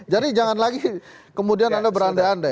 jadi jangan lagi kemudian anda beranda anda ya